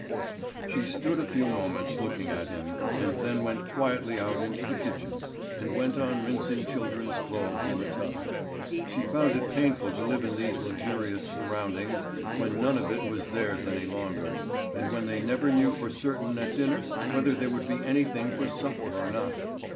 She stood a few moments looking at him, and then went quietly out into the kitchen, and went on rinsing children's clothes in a tub. She found it painful to live in these luxurious surroundings when none of it was theirs any longer, and when they never knew for certain at dinner whether there would be anything for supper or not.